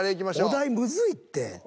お題むずいって。